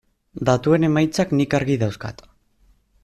Datuen emaitzak nik argi dauzkat.